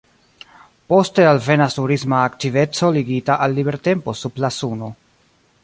Poste alvenas turisma aktiveco ligita al libertempo sub la suno.